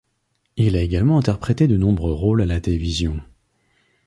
Il a également interprété de nombreux rôles à la télévision.